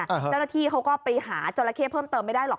เจ้าหน้าที่เขาก็ไปหาจราเข้เพิ่มเติมไม่ได้หรอก